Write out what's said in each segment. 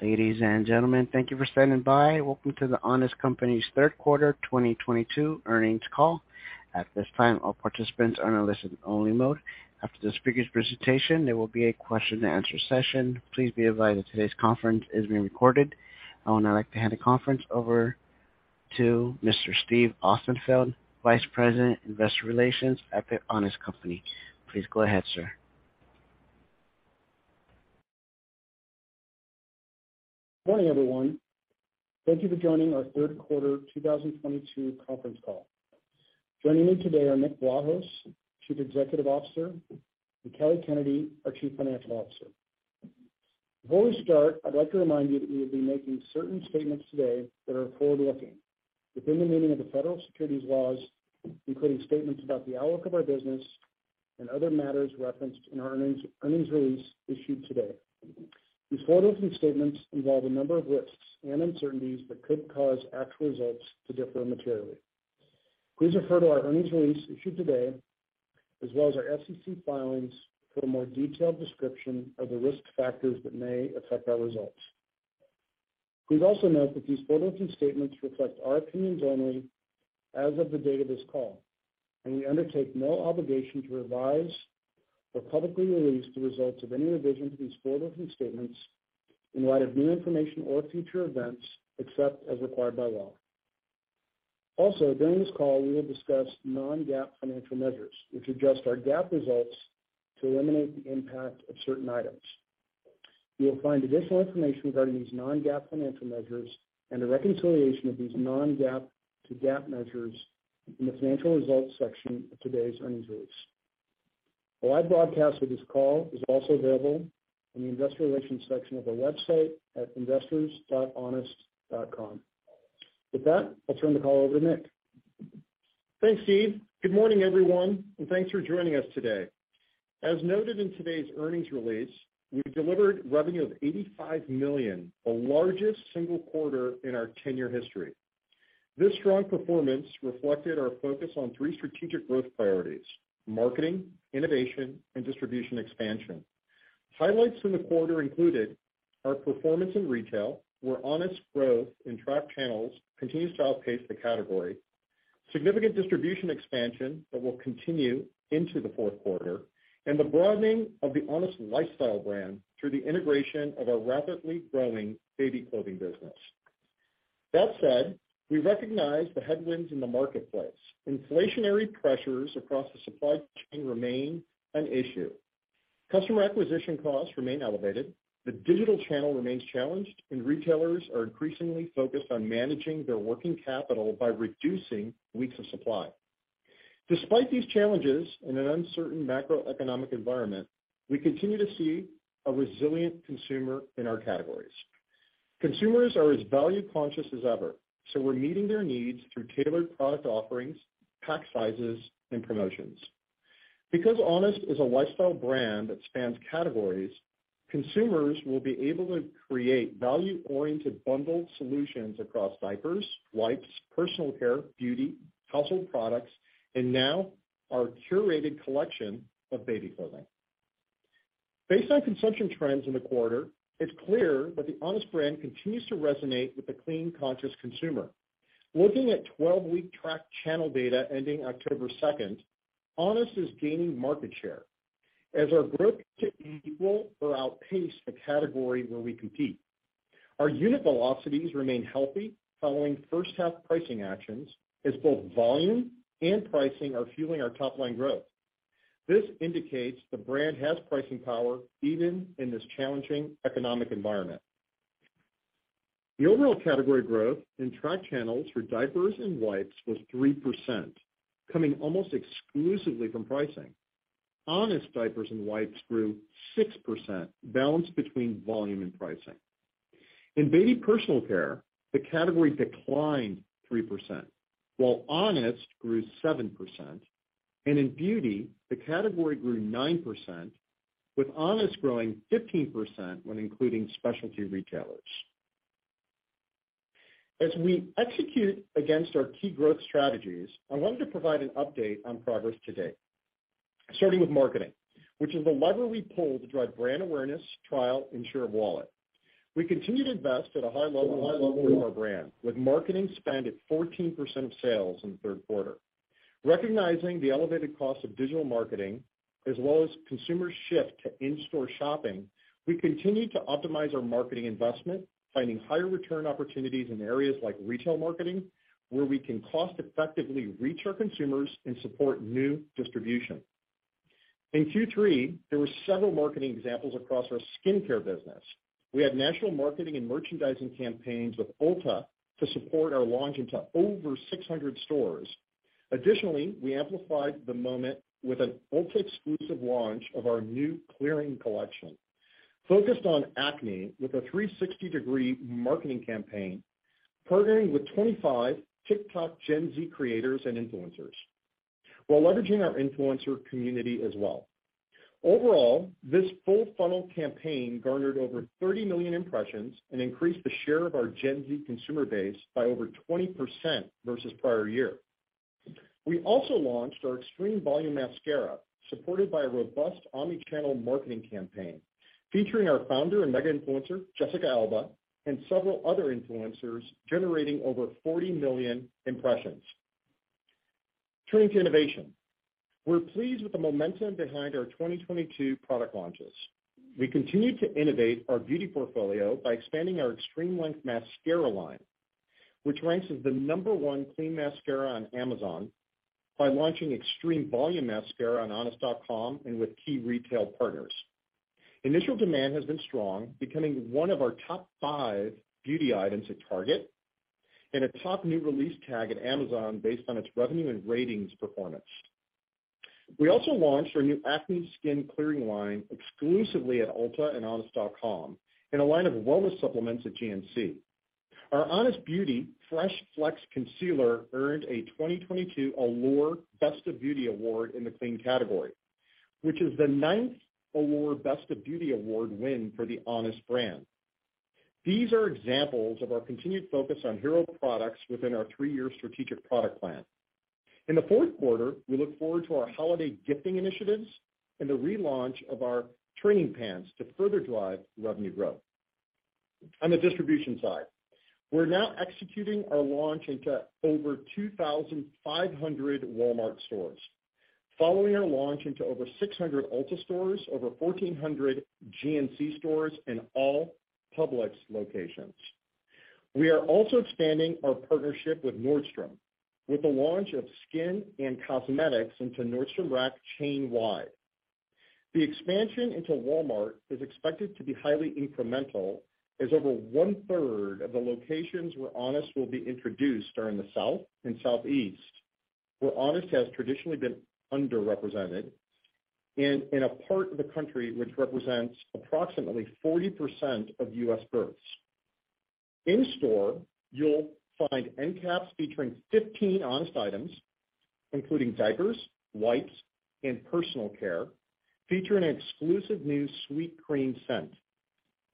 Ladies and gentlemen, thank you for standing by. Welcome to The Honest Company's third quarter 2022 earnings call. At this time, all participants are in a listen only mode. After the speakers' presentation, there will be a question and answer session. Please be advised that today's conference is being recorded. I would now like to hand the conference over to Mr. Steve Austenfeld, Vice President, Investor Relations at The Honest Company. Please go ahead, sir. Morning, everyone. Thank you for joining our third quarter 2022 conference call. Joining me today are Nick Vlahos, Chief Executive Officer, and Kelly Kennedy, our Chief Financial Officer. Before we start, I'd like to remind you that we will be making certain statements today that are forward-looking within the meaning of the federal securities laws, including statements about the outlook of our business and other matters referenced in our earnings release issued today. These forward-looking statements involve a number of risks and uncertainties that could cause actual results to differ materially. Please refer to our earnings release issued today, as well as our SEC filings, for a more detailed description of the risk factors that may affect our results. Please also note that these forward-looking statements reflect our opinions only as of the date of this call, and we undertake no obligation to revise or publicly release the results of any revision to these forward-looking statements in light of new information or future events, except as required by law. Also, during this call, we will discuss non-GAAP financial measures, which adjust our GAAP results to eliminate the impact of certain items. You will find additional information regarding these non-GAAP financial measures and a reconciliation of these non-GAAP to GAAP measures in the financial results section of today's earnings release. A live broadcast of this call is also available in the investor relations section of our website at investors.honest.com. With that, I'll turn the call over to Nick. Thanks, Steve. Good morning, everyone, and thanks for joining us today. As noted in today's earnings release, we delivered revenue of $85 million, the largest single quarter in our 10 year history. This strong performance reflected our focus on three strategic growth priorities, marketing, innovation, and distribution expansion. Highlights from the quarter included our performance in retail, where Honest growth in tracked channels continues to outpace the category, significant distribution expansion that will continue into the fourth quarter, and the broadening of The Honest lifestyle brand through the integration of our rapidly growing baby clothing business. That said, we recognize the headwinds in the marketplace. Inflationary pressures across the supply chain remain an issue. Customer acquisition costs remain elevated. The digital channel remains challenged, and retailers are increasingly focused on managing their working capital by reducing weeks of supply. Despite these challenges, in an uncertain macroeconomic environment, we continue to see a resilient consumer in our categories. Consumers are as value conscious as ever, so we're meeting their needs through tailored product offerings, pack sizes, and promotions. Because Honest is a lifestyle brand that spans categories, consumers will be able to create value-oriented bundled solutions across diapers, wipes, personal care, beauty, household products, and now our curated collection of baby clothing. Based on consumption trends in the quarter, it's clear that The Honest brand continues to resonate with the clean conscious consumer. Looking at 12 week tracked channel data ending October 2nd, Honest is gaining market share as our growth to equal or outpace the category where we compete. Our unit velocities remain healthy following first half pricing actions, as both volume and pricing are fueling our top line growth. This indicates the brand has pricing power even in this challenging economic environment. The overall category growth in tracked channels for diapers and wipes was 3%, coming almost exclusively from pricing. Honest diapers and wipes grew 6%, balanced between volume and pricing. In baby personal care, the category declined 3%, while Honest grew 7%. In beauty, the category grew 9%, with Honest growing 15% when including specialty retailers. As we execute against our key growth strategies, I wanted to provide an update on progress to date, starting with marketing, which is the lever we pull to drive brand awareness, trial, and share of wallet. We continue to invest at a high level in our brand, with marketing spend at 14% of sales in the third quarter. Recognizing the elevated cost of digital marketing as well as consumer shift to in-store shopping, we continue to optimize our marketing investment, finding higher return opportunities in areas like retail marketing, where we can cost effectively reach our consumers and support new distribution. In Q3, there were several marketing examples across our skincare business. We had national marketing and merchandising campaigns with Ulta to support our launch into over 600 stores. Additionally, we amplified the moment with an Ulta exclusive launch of our new clearing collection focused on acne with a 360 degree marketing campaign, partnering with 25 TikTok Gen Z creators and influencers while leveraging our influencer community as well. Overall, this full funnel campaign garnered over 30 million impressions and increased the share of our Gen Z consumer base by over 20% versus prior year. We also launched our Extreme Volume Mascara, supported by a robust omni-channel marketing campaign, featuring our founder and mega-influencer, Jessica Alba, and several other influencers, generating over 40 million impressions. Turning to innovation. We're pleased with the momentum behind our 2022 product launches. We continued to innovate our beauty portfolio by expanding our Extreme Length Mascara line, which ranks as the number one clean mascara on Amazon by launching Extreme Volume Mascara on honest.com and with key retail partners. Initial demand has been strong, becoming one of our top five beauty items at Target and a top new release tag at Amazon based on its revenue and ratings performance. We also launched our new Acne Skin Clearing line exclusively at Ulta and honest.com and a line of wellness supplements at GNC. Our Honest Beauty Fresh Flex Concealer earned a 2022 Allure Best of Beauty award in the clean category, which is the ninth Allure Best of Beauty award win for the Honest brand. These are examples of our continued focus on hero products within our three year strategic product plan. In the fourth quarter, we look forward to our holiday gifting initiatives and the relaunch of our training pants to further drive revenue growth. On the distribution side, we're now executing our launch into over 2,500 Walmart stores following our launch into over 600 Ulta stores, over 1,400 GNC stores and all Publix locations. We are also expanding our partnership with Nordstrom with the launch of skin and cosmetics into Nordstrom Rack chain-wide. The expansion into Walmart is expected to be highly incremental, as over one-third of the locations where Honest will be introduced are in the South and Southeast, where Honest has traditionally been underrepresented and in a part of the country which represents approximately 40% of U.S. births. In store, you'll find end caps featuring 15 Honest items, including diapers, wipes, and personal care, featuring an exclusive new Sweet Cream scent.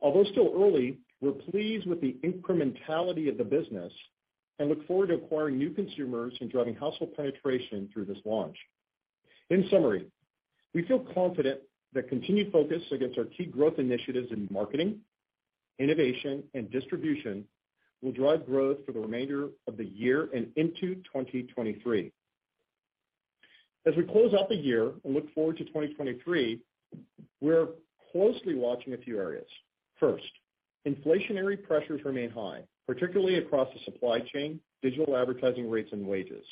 Although still early, we're pleased with the incrementality of the business and look forward to acquiring new consumers and driving household penetration through this launch. In summary, we feel confident that continued focus against our key growth initiatives in marketing, innovation, and distribution will drive growth for the remainder of the year and into 2023. As we close out the year and look forward to 2023, we're closely watching a few areas. First, inflationary pressures remain high, particularly across the supply chain, digital advertising rates and wages.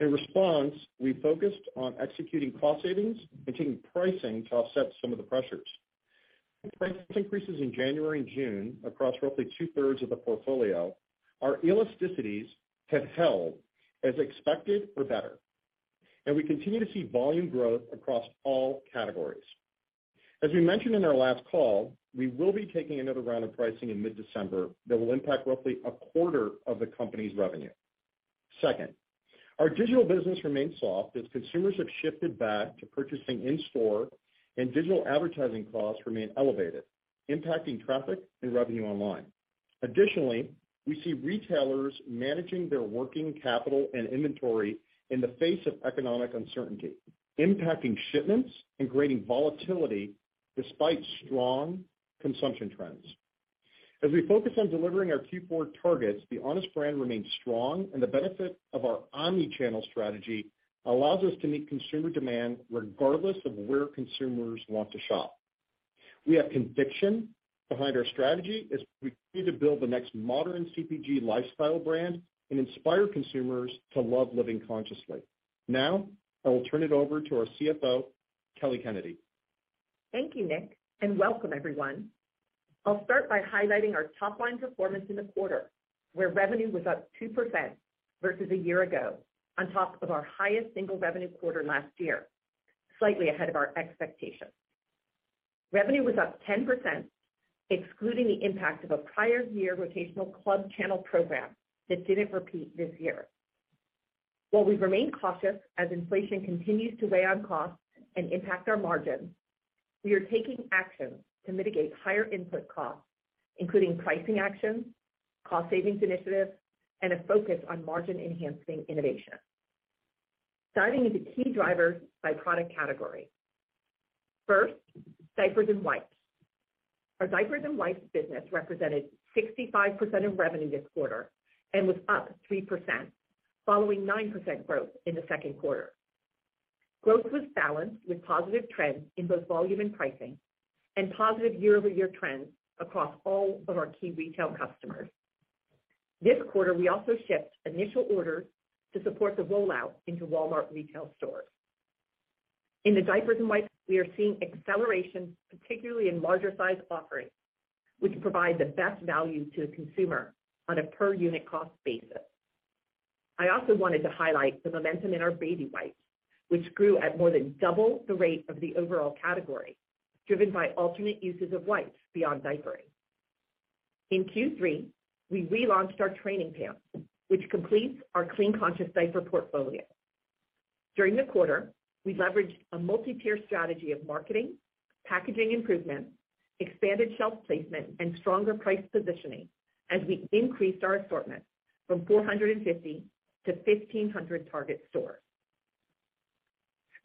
In response, we focused on executing cost savings and taking pricing to offset some of the pressures. Price increases in January and June across roughly two-thirds of the portfolio. Our elasticities have held as expected or better, and we continue to see volume growth across all categories. As we mentioned in our last call, we will be taking another round of pricing in mid-December that will impact roughly a quarter of the company's revenue. Second, our digital business remains soft as consumers have shifted back to purchasing in-store and digital advertising costs remain elevated, impacting traffic and revenue online. Additionally, we see retailers managing their working capital and inventory in the face of economic uncertainty, impacting shipments and creating volatility despite strong consumption trends. As we focus on delivering our Q4 targets, the Honest brand remains strong and the benefit of our omni-channel strategy allows us to meet consumer demand regardless of where consumers want to shop. We have conviction behind our strategy as we continue to build the next modern CPG lifestyle brand and inspire consumers to love living consciously. Now, I will turn it over to our CFO, Kelly Kennedy. Thank you, Nick, and welcome everyone. I'll start by highlighting our top line performance in the quarter, where revenue was up 2% versus a year ago on top of our highest single revenue quarter last year, slightly ahead of our expectations. Revenue was up 10%, excluding the impact of a prior year rotational club channel program that didn't repeat this year. While we remain cautious as inflation continues to weigh on costs and impact our margins, we are taking action to mitigate higher input costs, including pricing actions, cost savings initiatives, and a focus on margin-enhancing innovation. Diving into key drivers by product category. First, diapers and wipes. Our diapers and wipes business represented 65% of revenue this quarter and was up 3%, following 9% growth in the second quarter. Growth was balanced with positive trends in both volume and pricing and positive year-over-year trends across all of our key retail customers. This quarter, we also shipped initial orders to support the rollout into Walmart retail stores. In the diapers and wipes, we are seeing acceleration, particularly in larger size offerings, which provide the best value to the consumer on a per-unit cost basis. I also wanted to highlight the momentum in our baby wipes, which grew at more than double the rate of the overall category, driven by alternate uses of wipes beyond diapering. In Q3, we relaunched our training pants, which completes our Clean Conscious diaper portfolio. During the quarter, we leveraged a multi-tier strategy of marketing, packaging improvement, expanded shelf placement, and stronger price positioning as we increased our assortment from 450 to 1,500 Target stores.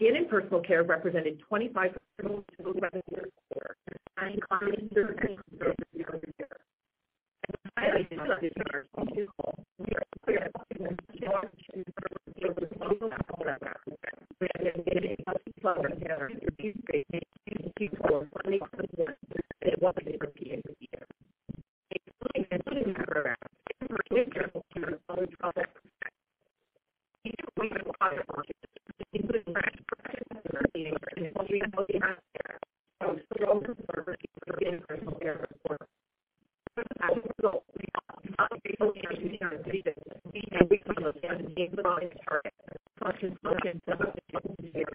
Skin and personal care represented 25%. Our household and wellness business saw a big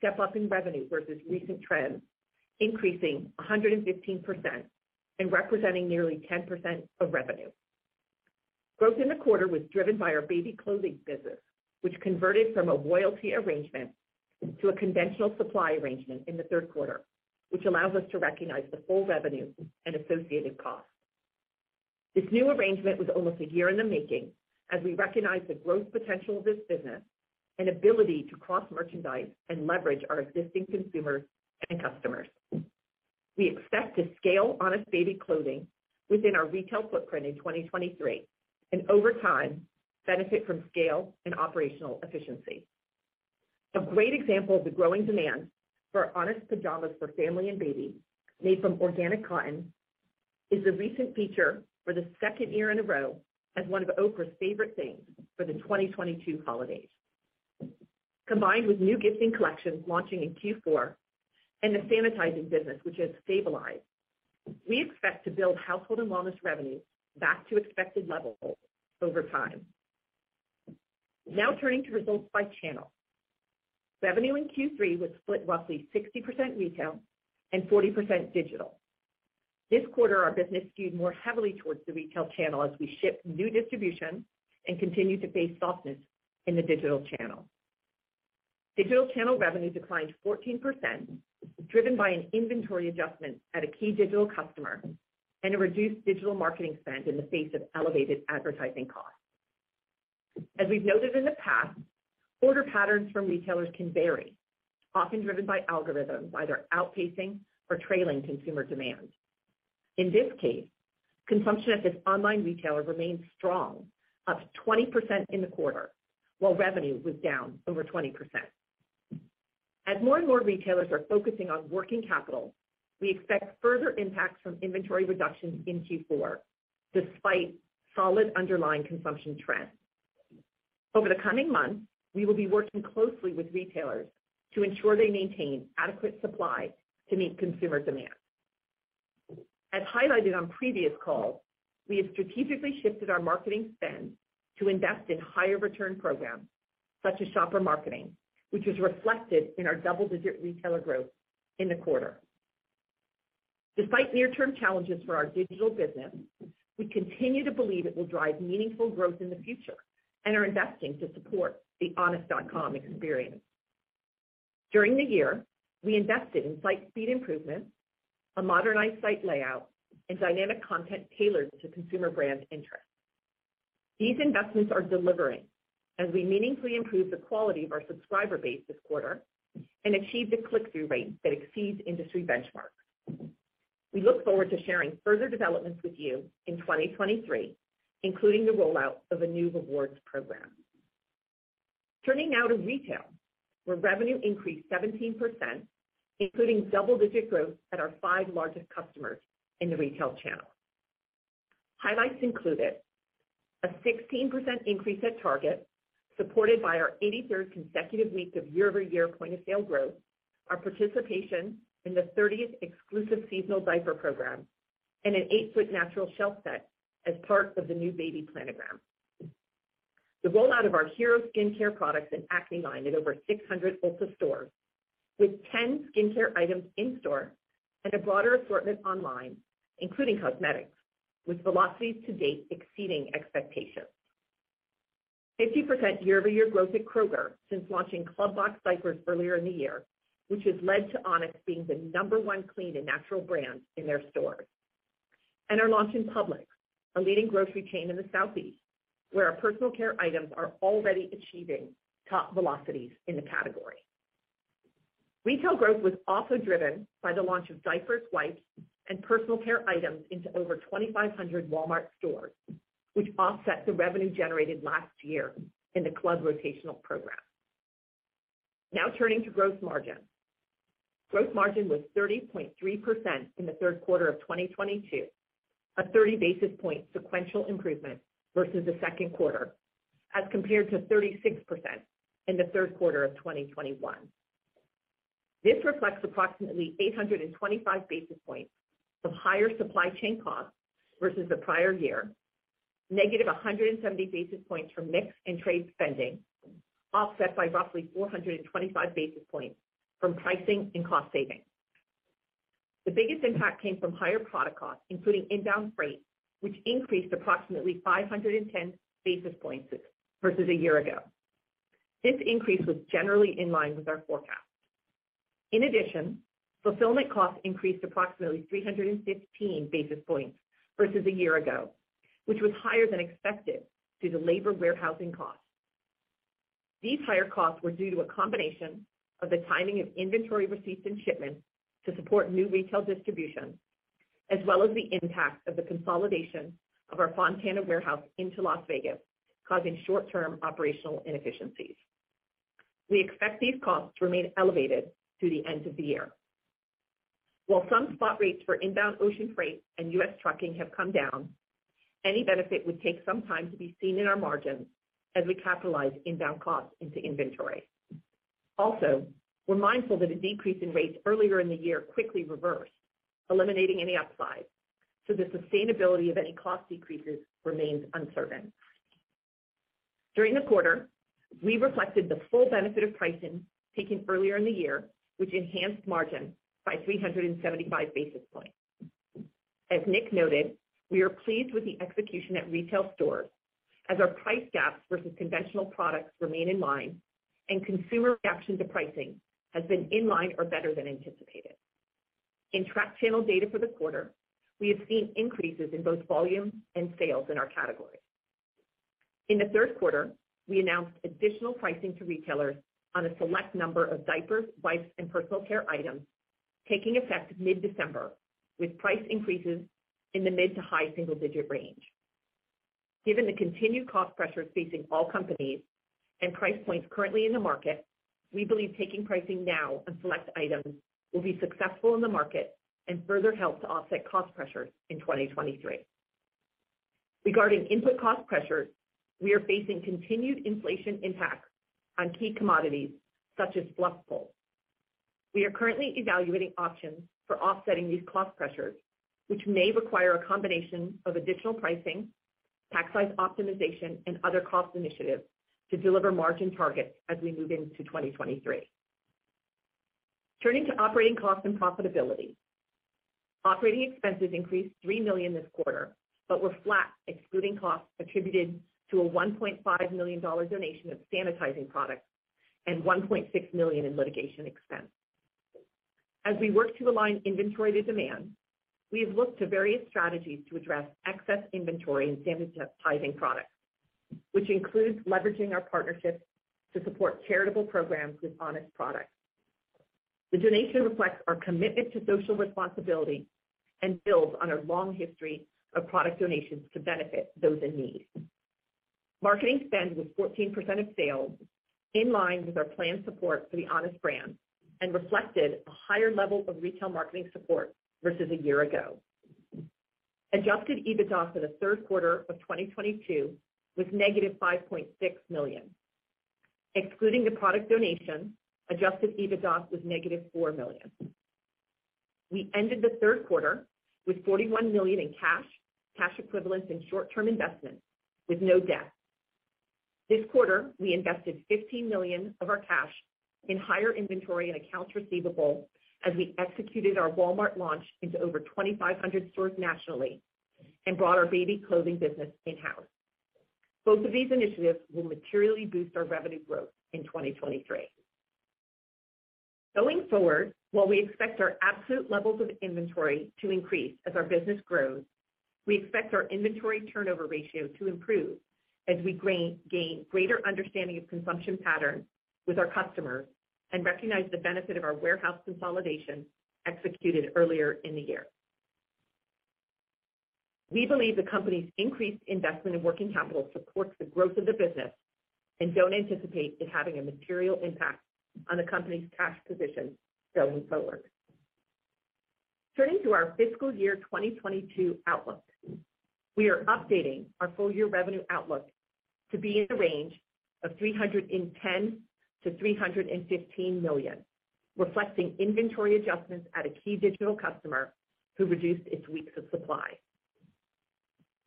step up in revenue versus recent trends, increasing 115% and representing nearly 10% of revenue. Growth in the quarter was driven by our baby clothing business, which converted from a royalty arrangement to a conventional supply arrangement in the third quarter, which allows us to recognize the full revenue and associated costs. This new arrangement was almost a year in the making as we recognized the growth potential of this business and ability to cross-merchandise and leverage our existing consumers and customers. We expect to scale Honest Baby clothing within our retail footprint in 2023 and over time, benefit from scale and operational efficiency. A great example of the growing demand for Honest pajamas for family and baby made from organic cotton is the recent feature for the second year in a row as one of Oprah's Favorite Things for the 2022 holidays. Combined with new gifting collections launching in Q4 and the sanitizing business, which has stabilized, we expect to build household and wellness revenue back to expected levels over time. Now turning to results by channel. Revenue in Q3 was split roughly 60% retail and 40% digital. This quarter, our business skewed more heavily towards the retail channel as we shipped new distribution and continued to face softness in the digital channel. Digital channel revenue declined 14%, driven by an inventory adjustment at a key digital customer and a reduced digital marketing spend in the face of elevated advertising costs. As we've noted in the past, order patterns from retailers can vary, often driven by algorithms either outpacing or trailing consumer demand. In this case, consumption at this online retailer remains strong, up 20% in the quarter, while revenue was down over 20%. As more and more retailers are focusing on working capital, we expect further impacts from inventory reductions in Q4, despite solid underlying consumption trends. Over the coming months, we will be working closely with retailers to ensure they maintain adequate supply to meet consumer demand. As highlighted on previous calls, we have strategically shifted our marketing spend to invest in higher return programs such as shopper marketing, which is reflected in our double-digit retailer growth in the quarter. Despite near-term challenges for our digital business, we continue to believe it will drive meaningful growth in the future and are investing to support the honest.com experience. During the year, we invested in site speed improvements, a modernized site layout, and dynamic content tailored to consumer brand interest. These investments are delivering as we meaningfully improve the quality of our subscriber base this quarter and achieve the click-through rate that exceeds industry benchmarks. We look forward to sharing further developments with you in 2023, including the rollout of a new rewards program. Turning now to retail, where revenue increased 17%, including double-digit growth at our 5 largest customers in the retail channel. Highlights included a 16% increase at Target, supported by our 83rd consecutive week of year-over-year point-of-sale growth, our participation in the 30th exclusive seasonal diaper program, and an 8 ft natural shelf set as part of the new baby planogram. The rollout of our hero skincare products and acne line at over 600 Ulta stores with 10 skincare items in store and a broader assortment online, including cosmetics, with velocities to date exceeding expectations. 50% year-over-year growth at Kroger since launching club box diapers earlier in the year, which has led to Honest being the number one clean and natural brand in their stores. Our launch in Publix, a leading grocery chain in the Southeast, where our personal care items are already achieving top velocities in the category. Retail growth was also driven by the launch of diapers, wipes, and personal care items into over 2,500 Walmart stores, which offset the revenue generated last year in the club rotational program. Now turning to gross margin. Gross margin was 30.3% in the third quarter of 2022, a 30 basis point sequential improvement versus the second quarter, as compared to 36% in the third quarter of 2021. This reflects approximately 825 basis points from higher supply chain costs versus the prior year, negative 170 basis points from mix and trade spending, offset by roughly 425 basis points from pricing and cost savings. The biggest impact came from higher product costs, including inbound freight, which increased approximately 510 basis points versus a year ago. This increase was generally in line with our forecast. Fulfillment costs increased approximately 315 basis points versus a year ago, which was higher than expected due to labor warehousing costs. These higher costs were due to a combination of the timing of inventory receipts and shipments to support new retail distribution, as well as the impact of the consolidation of our Fontana warehouse into Las Vegas, causing short-term operational inefficiencies. We expect these costs to remain elevated through the end of the year. While some spot rates for inbound ocean freight and U.S. trucking have come down, any benefit would take some time to be seen in our margins as we capitalize inbound costs into inventory. Also, we're mindful that a decrease in rates earlier in the year quickly reversed, eliminating any upside, so the sustainability of any cost decreases remains uncertain. During the quarter, we reflected the full benefit of pricing taken earlier in the year, which enhanced margin by 375 basis points. As Nick noted, we are pleased with the execution at retail stores as our price gaps versus conventional products remain in line and consumer reaction to pricing has been in line or better than anticipated. In-track channel data for the quarter, we have seen increases in both volume and sales in our category. In the third quarter, we announced additional pricing to retailers on a select number of diapers, wipes, and personal care items taking effect mid-December, with price increases in the mid to high single-digit range. Given the continued cost pressures facing all companies and price points currently in the market, we believe taking pricing now on select items will be successful in the market and further help to offset cost pressures in 2023. Regarding input cost pressures, we are facing continued inflation impacts on key commodities such as fluff pulp. We are currently evaluating options for offsetting these cost pressures, which may require a combination of additional pricing, pack size optimization, and other cost initiatives to deliver margin targets as we move into 2023. Turning to operating costs and profitability. Operating expenses increased $3 million this quarter, but were flat excluding costs attributed to a $1.5 million dollar donation of sanitizing products and $1.6 million in litigation expense. As we work to align inventory to demand, we have looked to various strategies to address excess inventory and sanitizing products, which includes leveraging our partnerships to support charitable programs with Honest products. The donation reflects our commitment to social responsibility and builds on a long history of product donations to benefit those in need. Marketing spend was 14% of sales, in line with our planned support for the Honest brand and reflected a higher level of retail marketing support versus a year ago. Adjusted EBITDA for the third quarter of 2022 was negative $5.6 million. Excluding the product donation, adjusted EBITDA was negative $4 million. We ended the third quarter with $41 million in cash equivalents, and short-term investments, with no debt. This quarter, we invested $15 million of our cash in higher inventory and accounts receivable as we executed our Walmart launch into over 2,500 stores nationally and brought our baby clothing business in-house. Both of these initiatives will materially boost our revenue growth in 2023. Going forward, while we expect our absolute levels of inventory to increase as our business grows, we expect our inventory turnover ratio to improve as we gain greater understanding of consumption patterns with our customers and recognize the benefit of our warehouse consolidation executed earlier in the year. We believe the company's increased investment in working capital supports the growth of the business and don't anticipate it having a material impact on the company's cash position going forward. Turning to our fiscal year 2022 outlook. We are updating our full-year revenue outlook to be in the range of $310 million-$315 million, reflecting inventory adjustments at a key digital customer who reduced its weeks of supply.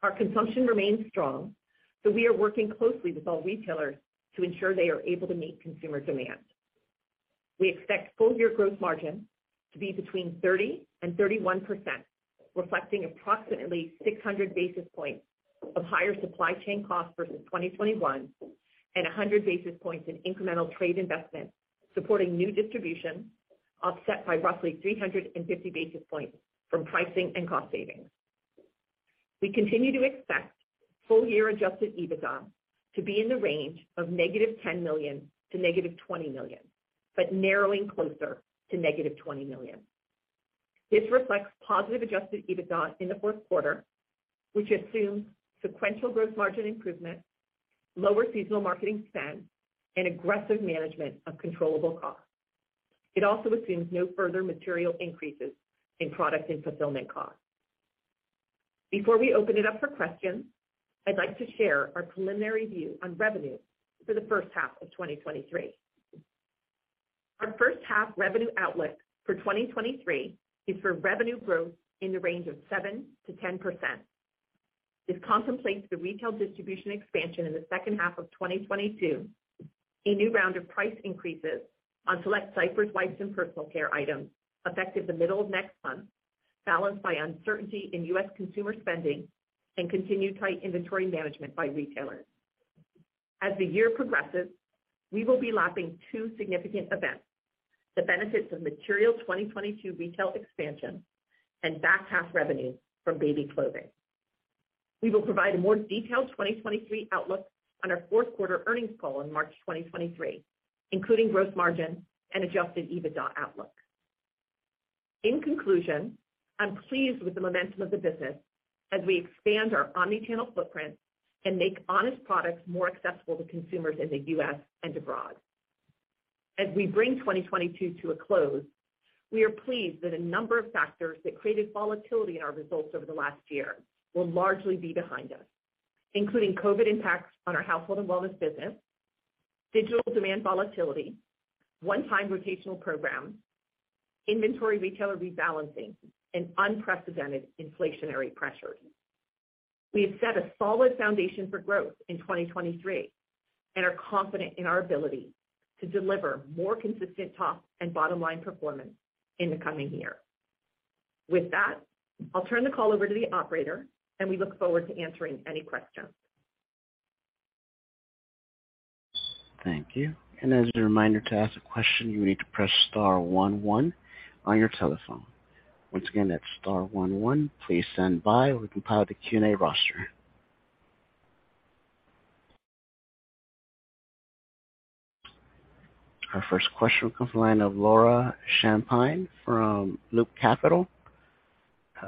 Our consumption remains strong, so we are working closely with all retailers to ensure they are able to meet consumer demand. We expect full-year gross margin to be between 30% and 31%, reflecting approximately 600 basis points of higher supply chain costs versus 2021 and 100 basis points in incremental trade investment supporting new distribution, offset by roughly 350 basis points from pricing and cost savings. We continue to expect full-year Adjusted EBITDA to be in the range of -$10 million to -$20 million, but narrowing closer to -$20 million. This reflects positive Adjusted EBITDA in the fourth quarter, which assumes sequential growth margin improvement, lower seasonal marketing spend, and aggressive management of controllable costs. It also assumes no further material increases in product and fulfillment costs. Before we open it up for questions, I'd like to share our preliminary view on revenue for the first half of 2023. Our first half revenue outlook for 2023 is for revenue growth in the range of 7%-10%. This contemplates the retail distribution expansion in the second half of 2022, a new round of price increases on select diapers, wipes, and personal care items effective the middle of next month, balanced by uncertainty in U.S. consumer spending and continued tight inventory management by retailers. As the year progresses, we will be lapping two significant events, the benefits of material 2022 retail expansion and back half revenue from baby clothing. We will provide a more detailed 2023 outlook on our fourth quarter earnings call in March 2023, including growth margin and Adjusted EBITDA outlook. In conclusion, I'm pleased with the momentum of the business as we expand our omni-channel footprint and make Honest products more accessible to consumers in the U.S. and abroad. As we bring 2022 to a close, we are pleased that a number of factors that created volatility in our results over the last year will largely be behind us, including COVID impacts on our household and wellness business, digital demand volatility, one-time rotational programs, inventory retailer rebalancing, and unprecedented inflationary pressures. We have set a solid foundation for growth in 2023 and are confident in our ability to deliver more consistent top and bottom line performance in the coming year. With that, I'll turn the call over to the operator, and we look forward to answering any questions. Thank you. As a reminder to ask a question, you need to press star one one on your telephone. Once again, that's star one one. Please stand by while we compile the Q&A roster. Our first question comes from the line of Laura Champine from Loop Capital.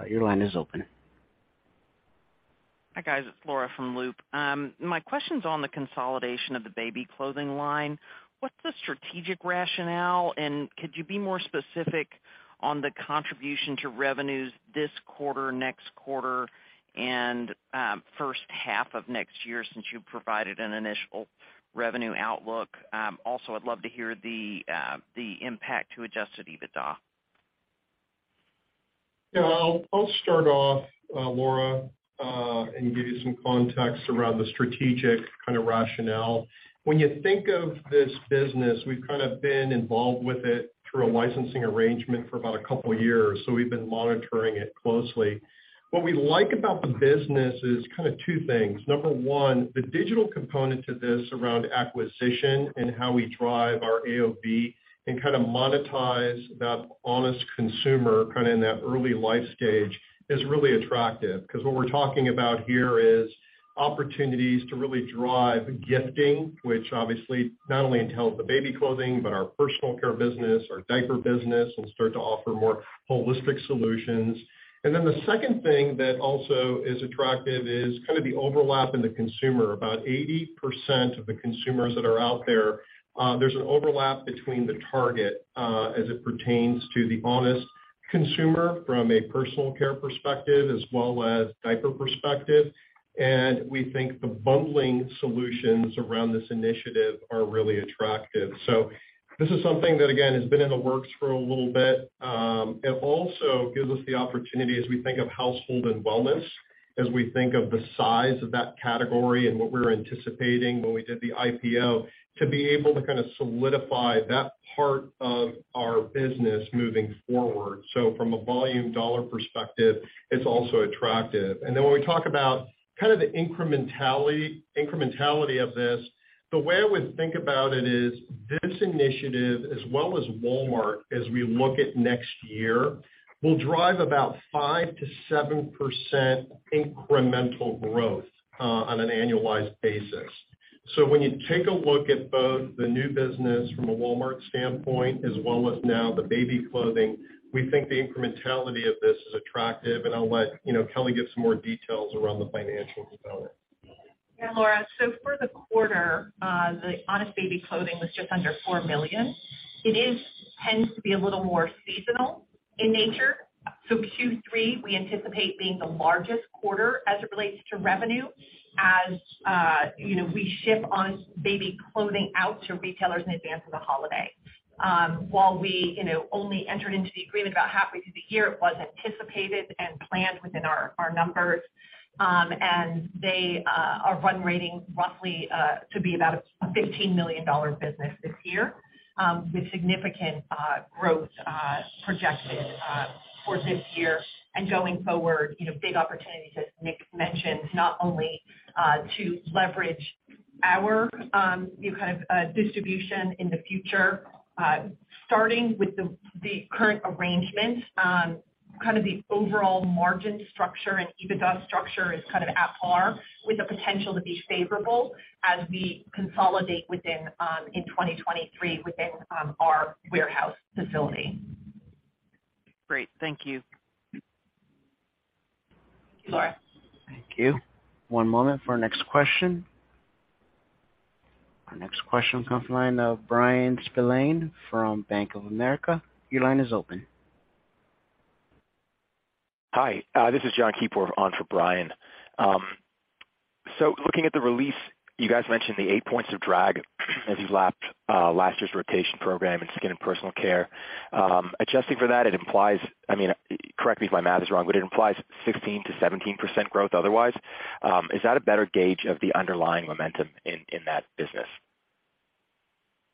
Your line is open. Hi, guys. It's Laura from Loop. My question's on the consolidation of the baby clothing line. What's the strategic rationale, and could you be more specific on the contribution to revenues this quarter, next quarter, and first half of next year since you've provided an initial revenue outlook? Also, I'd love to hear the impact to Adjusted EBITDA. Yeah. I'll start off, Laura, and give you some context around the strategic kind of rationale. When you think of this business, we've kind of been involved with it through a licensing arrangement for about a couple years, so we've been monitoring it closely. What we like about the business is kind of two things. Number one, the digital component to this around acquisition and how we drive our AOV and kind of monetize that Honest consumer kind of in that early life stage is really attractive. 'Cause what we're talking about here is opportunities to really drive gifting, which obviously not only entails the baby clothing, but our personal care business, our diaper business, and start to offer more holistic solutions. The second thing that also is attractive is kind of the overlap in the consumer. About 80% of the consumers that are out there's an overlap between the target, as it pertains to the Honest consumer from a personal care perspective as well as diaper perspective, and we think the bundling solutions around this initiative are really attractive. This is something that, again, has been in the works for a little bit. It also gives us the opportunity as we think of household and wellness, as we think of the size of that category and what we were anticipating when we did the IPO, to be able to kind of solidify that part of our business moving forward. From a volume dollar perspective, it's also attractive. When we talk about kind of the incrementality of this, the way I would think about it is this initiative as well as Walmart, as we look at next year, will drive about 5%-7% incremental growth on an annualized basis. When you take a look at both the new business from a Walmart standpoint as well as now the baby clothing, we think the incrementality of this is attractive, and I'll let you know, Kelly give some more details around the financial component. Yeah, Laura. For the quarter, the Honest Baby clothing was just under $4 million. It tends to be a little more seasonal in nature. Q3, we anticipate being the largest quarter as it relates to revenue as you know, we ship Honest Baby clothing out to retailers in advance of the holiday. While we you know, only entered into the agreement about halfway through the year, it was anticipated and planned within our numbers. They are run rating roughly to be about a $15 million business this year, with significant growth projected for this year and going forward, you know, big opportunities, as Nick mentioned, not only to leverage our new kind of distribution in the future, starting with the current arrangement. Kind of the overall margin structure and EBITDA structure is kind of at par with the potential to be favorable as we consolidate in 2023 within our warehouse facility. Great. Thank you. Thank you, Laura. Thank you. One moment for our next question. Our next question comes from the line of Brian Spillane from Bank of America. Your line is open. Hi, this is John Keefer on for Brian. So looking at the release, you guys mentioned the 8 points of drag as you lapped last year's rotation program in skin and personal care. Adjusting for that, it implies, I mean, correct me if my math is wrong, but it implies 16%-17% growth otherwise. Is that a better gauge of the underlying momentum in that business?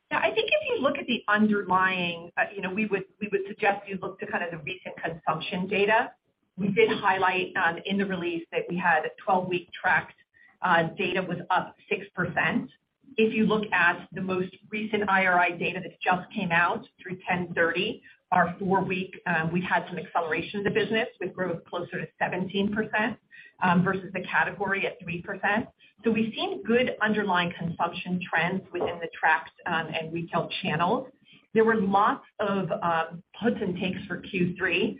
Yeah. I think if you look at the underlying, we would suggest you look to kind of the recent consumption data. We did highlight in the release that we had a 12 week tracked data was up 6%. If you look at the most recent IRI data that just came out through 10/30, our four week, we had some acceleration in the business with growth closer to 17%, versus the category at 3%. We've seen good underlying consumption trends within the tracked and retail channels. There were lots of puts and takes for Q3.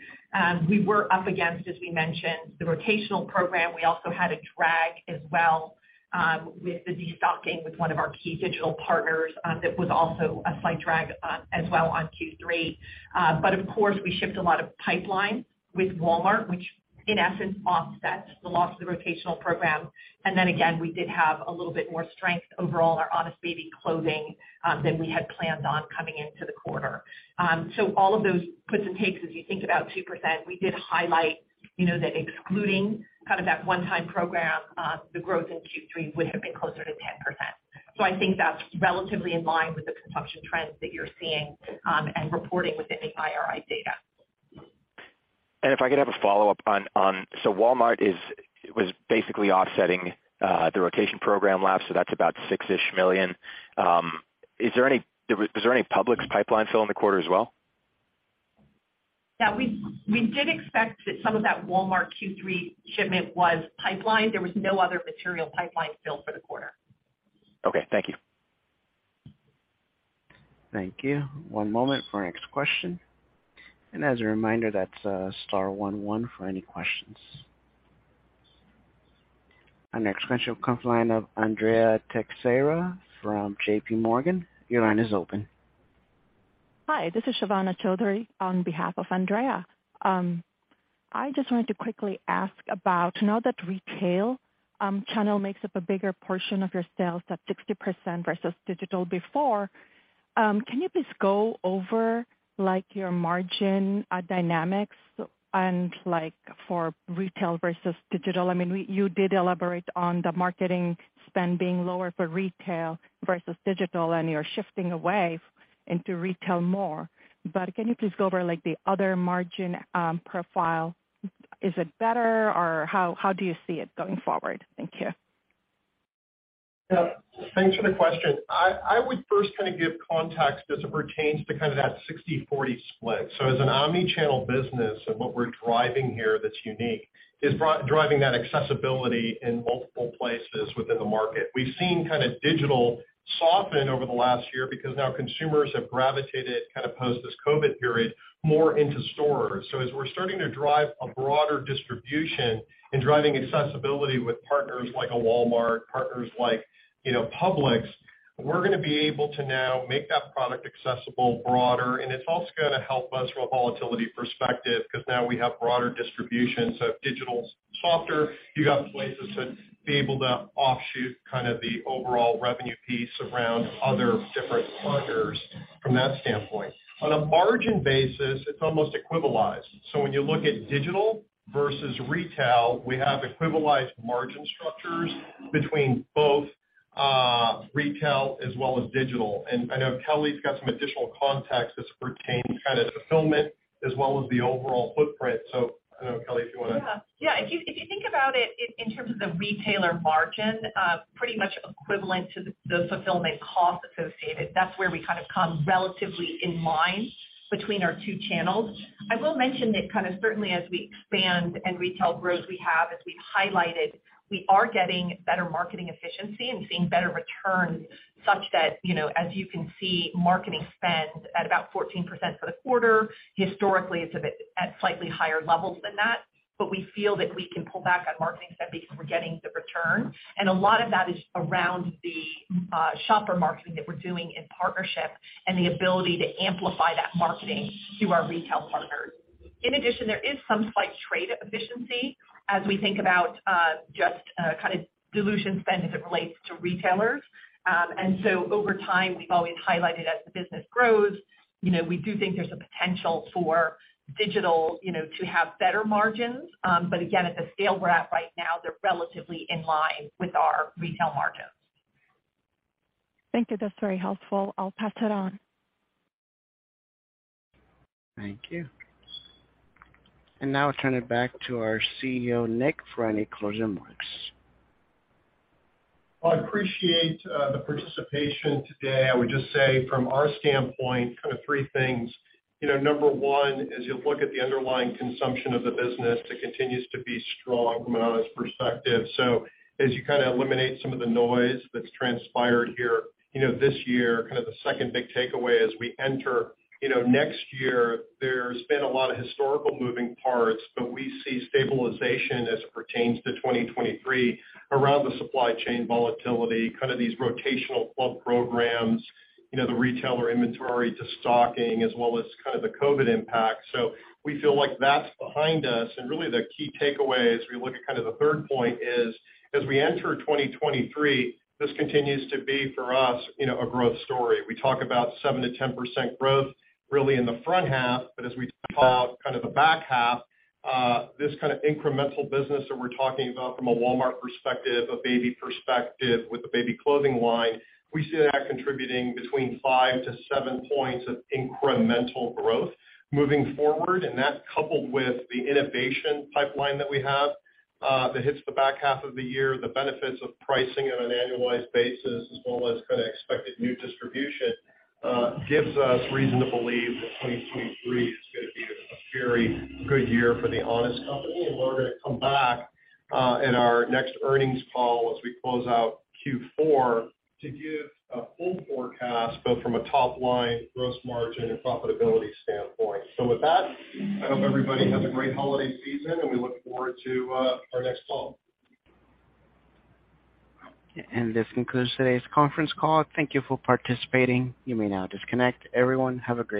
We were up against, as we mentioned, the rotational program. We also had a drag as well with the destocking with one of our key digital partners that was also a slight drag as well on Q3. Of course, we shipped a lot of pipeline with Walmart, which in essence offsets the loss of the rotational program. We did have a little bit more strength overall in our Honest Baby clothing than we had planned on coming into the quarter. All of those puts and takes, as you think about 2%, we did highlight, you know, that excluding kind of that one-time program, the growth in Q3 would have been closer to 10%. I think that's relatively in line with the consumption trends that you're seeing and reporting within the IRI data. If I could have a follow-up on. Walmart was basically offsetting the rotation program lapse, so that's about $6 million. Was there any Publix pipeline fill in the quarter as well? Yeah. We did expect that some of that Walmart Q3 shipment was pipeline. There was no other material pipeline fill for the quarter. Okay, thank you. Thank you. One moment for our next question. As a reminder, that's star one one for any questions. Our next question comes from the line of Andrea Teixeira from JPMorgan. Your line is open. Hi, this is Shivani Chaudhary on behalf of Andrea. I just wanted to quickly ask about now that retail channel makes up a bigger portion of your sales at 60% versus digital before, can you please go over, like, your margin dynamics and, like, for retail versus digital? I mean, you did elaborate on the marketing spend being lower for retail versus digital, and you're shifting away into retail more. Can you please go over, like, the other margin profile? Is it better, or how do you see it going forward? Thank you. Yeah. Thanks for the question. I would first kinda give context as it pertains to kind of that 60/40 split. As an omni-channel business and what we're driving here that's unique is driving that accessibility in multiple places within the market. We've seen kinda digital soften over the last year because now consumers have gravitated kinda post this COVID period more into stores. As we're starting to drive a broader distribution and driving accessibility with partners like a Walmart, partners like, you know, Publix, we're gonna be able to now make that product accessible broader, and it's also gonna help us from a volatility perspective, 'cause now we have broader distribution. If digital's softer, you got places to be able to offset kind of the overall revenue piece around other different partners from that standpoint. On a margin basis, it's almost equalized. When you look at digital versus retail, we have equivalent margin structures between both, retail as well as digital. I know Kelly's got some additional context as it pertains to fulfillment as well as the overall footprint. I don't know, Kelly, if you wanna Yeah. If you think about it in terms of the retailer margin, pretty much equivalent to the fulfillment cost associated, that's where we kind of come relatively in line between our two channels. I will mention that kind of certainly as we expand and retail grows, as we've highlighted, we are getting better marketing efficiency and seeing better returns such that, you know, as you can see, marketing spend at about 14% for the quarter. Historically, it's been at slightly higher levels than that. We feel that we can pull back on marketing spend because we're getting the return, and a lot of that is around the shopper marketing that we're doing in partnership and the ability to amplify that marketing through our retail partners. In addition, there is some slight trade efficiency as we think about just kinda dilution spend as it relates to retailers. Over time, we've always highlighted as the business grows, you know, we do think there's a potential for digital, you know, to have better margins. Again, at the scale we're at right now, they're relatively in line with our retail margins. Thank you. That's very helpful. I'll pass it on. Thank you. Now I'll turn it back to our CEO, Nick, for any closing remarks. Well, I appreciate the participation today. I would just say from our standpoint, kind of three things. You know, number one, as you look at the underlying consumption of the business, it continues to be strong from an Honest perspective. As you kinda eliminate some of the noise that's transpired here, you know, this year, kind of the second big takeaway as we enter, you know, next year, there's been a lot of historical moving parts, but we see stabilization as it pertains to 2023 around the supply chain volatility, kind of these rotational club programs, you know, the retailer inventory destocking, as well as kind of the COVID impact. We feel like that's behind us, and really the key takeaway as we look at kind of the third point is, as we enter 2023, this continues to be for us, you know, a growth story. We talk about 7%-10% growth really in the front half, but as we talk kind of the back half, this kind of incremental business that we're talking about from a Walmart perspective, a baby perspective with the baby clothing line, we see that contributing between five to seven points of incremental growth moving forward. That coupled with the innovation pipeline that we have, that hits the back half of the year, the benefits of pricing on an annualized basis as well as kinda expected new distribution, gives us reason to believe that 2023 is gonna be a very good year for The Honest Company. We're gonna come back in our next earnings call as we close out Q4 to give a full forecast, both from a top line, gross margin, and profitability standpoint. With that, I hope everybody has a great holiday season, and we look forward to our next call. This concludes today's conference call. Thank you for participating. You may now disconnect. Everyone, have a great day.